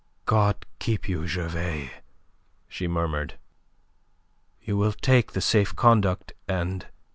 "God keep you, Gervais," she murmured. "You will take the safe conduct, and...